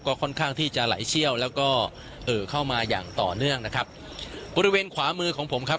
ก็ค่อนข้างที่จะไหลเชี่ยวแล้วก็เอ่อเข้ามาอย่างต่อเนื่องนะครับบริเวณขวามือของผมครับ